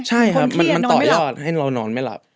ใช่ครับมันต่อยอดให้เรานอนไม่หลับ